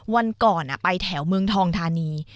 วันก่อนไปแถวเมืองทองธานี